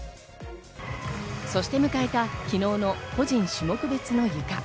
そして迎えた昨日の個人種目別のゆか。